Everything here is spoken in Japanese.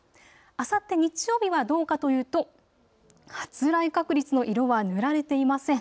あさって日曜日はどうかというと発雷確率の色は塗られていません。